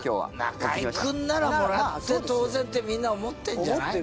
中居君ならもらって当然ってみんな思ってんじゃないの？